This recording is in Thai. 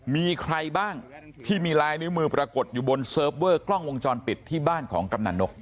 มีใครบ้างที่มีลายนิ้วมือปรากฏอยู่บนเซิร์ฟเวอร์กล้องวงจรปิดที่บ้านของกำนันนก